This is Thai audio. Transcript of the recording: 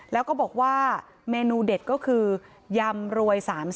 แล้วก็บอกว่าเมนูเด็ดก็คือยำรวย๓๐